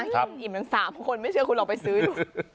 อิ่มทั้ง๓คนไม่เชื่อคุณลองไปซื้อดู